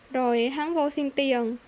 rồi hắn vô xin tiền